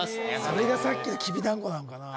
それがさっきの「きびだんご」なのかな？